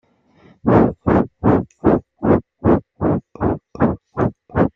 La plupart des membres de l'initiative sont également membres d'associations de brasserie existantes.